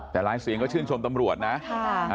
แต่หลายเสียงก็ชื่นชมตำรวจนะ